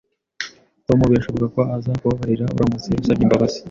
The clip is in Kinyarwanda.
Tom birashoboka ko azakubabarira uramutse usabye imbabazi